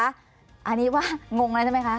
อันนี้ว่างงแล้วใช่ไหมคะ